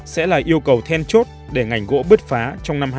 sẽ là yêu cầu then chốt để ngành gỗ bứt phá trong năm hai nghìn một mươi chín